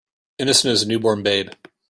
Innocent as a new born babe.